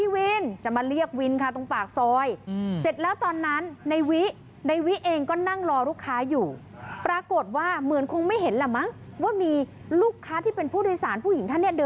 วิลจะมาเรียกวิลครับตรงปากซอย